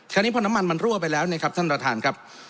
คราวนี้พอน้ำมันมันรั่วไปแล้วเนี่ยครับท่านประธานครับ